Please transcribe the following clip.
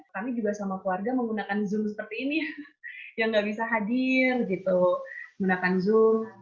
kami juga sama keluarga menggunakan zoom seperti ini yang gak bisa hadir gitu gunakan zoom